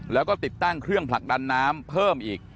แล้วก็ติดตั้งเครื่องผลักดันน้ำเพิ่มอีก